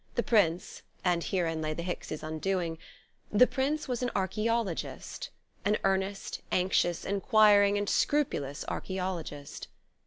The Prince and herein lay the Hickses' undoing the Prince was an archaeologist: an earnest anxious enquiring and scrupulous archaeologist.